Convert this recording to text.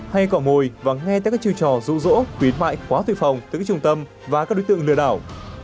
hay cỏ mồi và nghe tại các chiêu trò rũ rỗ khuyến mại quá tùy phòng từ các trung tâm và các đối tượng lừa đảo